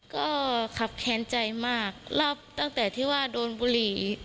ก็ขับแค้นใจมากรับตั้งแต่ที่ว่าโดนบุหรี่